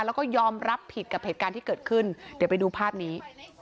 แล้วก็ยอมรับผิดกับเหตุการณ์ที่เกิดขึ้นเดี๋ยวไปดูภาพนี้